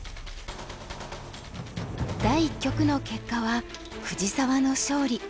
第一局の結果は藤沢の勝利。